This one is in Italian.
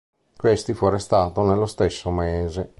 Questi fu arrestato nello stesso mese.